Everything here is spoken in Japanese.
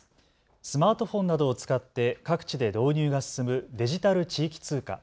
スマートフォンなどを使って各地で導入が進むデジタル地域通貨。